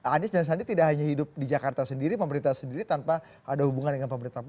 anies dan sandi tidak hanya hidup di jakarta sendiri pemerintah sendiri tanpa ada hubungan dengan pemerintah pusat